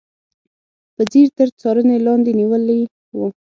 په ځیر تر څارنې لاندې نیولي و.